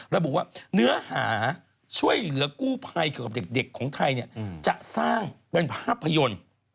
ระบุว่าเนื้อหาช่วยเหลือกู้ภัยเกี่ยวกับเด็กของไทยจะสร้างเป็นภาพยนตร์